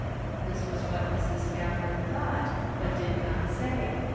" This was what Mrs. Spafford thought, but did not say.